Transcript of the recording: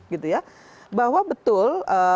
gitu ya bahwa betul